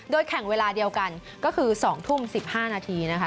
แข่งเวลาเดียวกันก็คือ๒ทุ่ม๑๕นาทีนะคะ